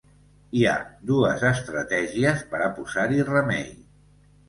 Hi ha dues estratègies per a posar-hi remei.